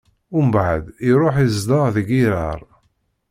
Mbeɛd iṛuḥ izdeɣ di Girar.